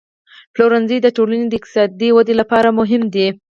پلورنځی د ټولنې د اقتصادي ودې لپاره مهم دی.